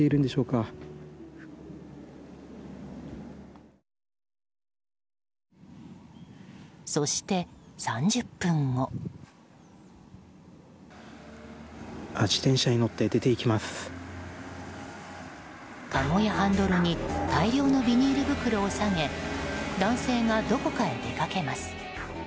かごやハンドルに大量のビニール袋を提げ男性がどこかへ出かけます。